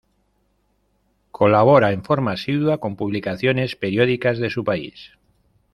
Colabora en forma asidua con publicaciones periódicas de su país.